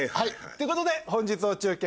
ということで本日の中継